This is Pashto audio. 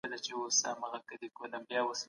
اقتصاد د کار له لاري پياوړی کېږي.